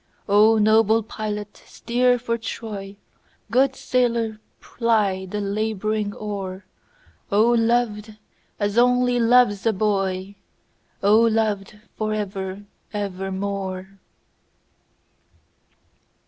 O noble pilot steer for Troy, Good sailor ply the labouring oar,O loved as only loves a boy!O loved for ever evermore!